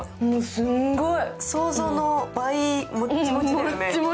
すんごい、想像の倍、もちもちだよね。